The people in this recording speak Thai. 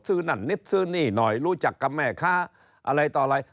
นั่นนิดซื้อนี่หน่อยรู้จักกับแม่ค้าอะไรต่ออะไร